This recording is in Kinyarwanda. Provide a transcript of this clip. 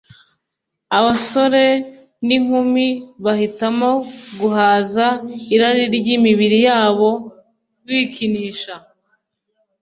abasore n’inkumi bahitamo guhaza irari ry’imibiri yabo bikinisha